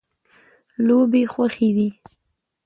لوبې خوښې دي.